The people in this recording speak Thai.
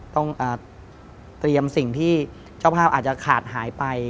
ต้องเตรียมสิ่งที่เจ้าภาพอาจจะขาดหายไป